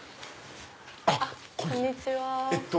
あっこんにちは。